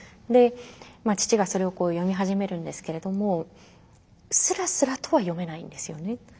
で父がそれを読み始めるんですけれどもすらすらとは読めないんですよね。